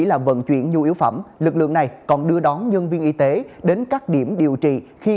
là vận chuyển nhu yếu phẩm lực lượng này còn đưa đón nhân viên y tế đến các điểm điều trị khi